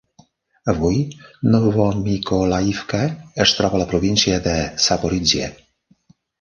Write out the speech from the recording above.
Avui Novomykolaivka es troba a la província de Zaporizhia.